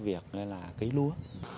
từ việc chuyên canh về lúa